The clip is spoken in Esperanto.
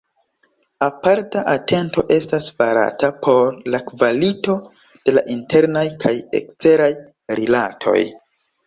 Aparta atento estas farata por la kvalito de la internaj kaj eksteraj rilatoj.